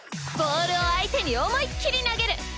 ボールを相手に思いっ切り投げる！